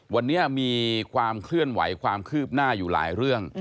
วันนี้มีความเคลื่อนไหวความคืบหน้าอยู่หลายเรื่อง